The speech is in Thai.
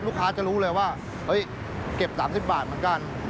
ลูกค้าจะรู้เลยว่าเก็บ๓๐บาทเหมือนกัน